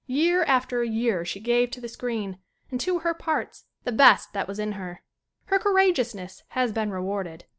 Year after year she gave to the screen and to her parts the best that was in her. Her courageousness has been rewarded.